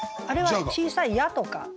あれは小さい「ゃ」とか。